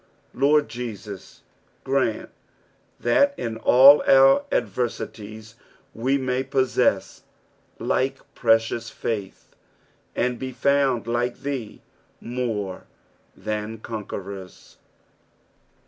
Lord Jesus, ^r&nt that in all our adversities we may possess like precious faith, and be fuuad like tbee, more than conquerora.